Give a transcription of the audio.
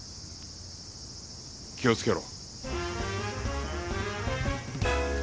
気をつけろ。